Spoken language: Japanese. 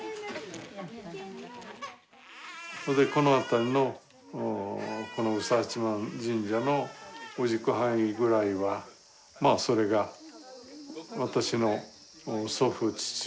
この辺りのこの宇佐八幡神社の氏子範囲ぐらいはそれが私の祖父父親